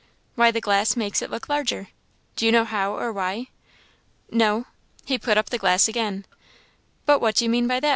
"Why, the glass makes it look larger." "Do you know how, or why?" "No." He put up the glass again. "But what do you mean by that?"